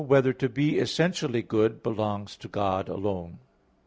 3] Whether to Be Essentially Good Belongs to God Alone?